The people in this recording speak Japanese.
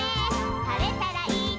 「晴れたらいいね」